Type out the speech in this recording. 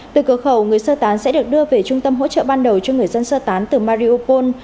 từ cửa khẩu người sơ tán sẽ được đưa về trung tâm hỗ trợ ban đầu cho người dân sơ tán từ mariopol